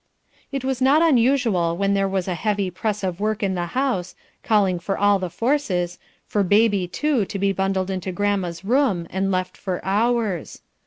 It was not unusual when there was a heavy press of work in the house, calling for all the forces, for baby too to be bundled into grandma's room and left for hours.